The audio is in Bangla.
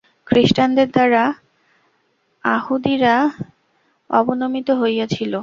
খ্রীষ্টানদের দ্বারা য়াহুদীরা অবনমিত হইয়াছিল।